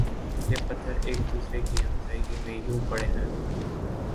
یہ پتھر ایک دوسرے کی ہمسائیگی میں یوں پڑے ہیں